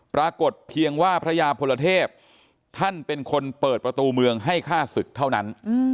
เพียงว่าพระยาพลเทพท่านเป็นคนเปิดประตูเมืองให้ฆ่าศึกเท่านั้น